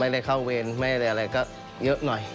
ไม่ได้เข้าเวรไม่ได้อะไรก็เยอะหน่อย